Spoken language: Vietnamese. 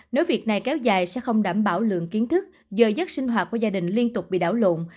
nếu việc này kéo dài sẽ không đảm bảo lượng kiến thức giờ giấc sinh hoạt của gia đình liên tục bị đảo lộn